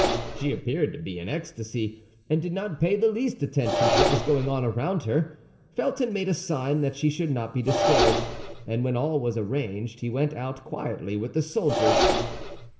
She appeared to be in ecstasy, and did not pay the least attention to what was going on around her. Felton made a sign that she should not be disturbed; and when all was arranged, he went out quietly with the soldiers.